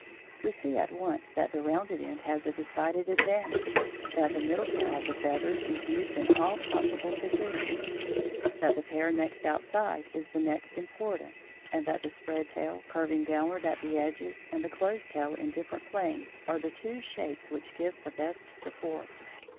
We see at once that the rounded end has a decided advantage, that the middle pair of feathers is used in all possible positions, that the pair next outside is the next important, and that the spread tail curving downward at the edges and the closed tail in different planes are the two shapes which give the best support.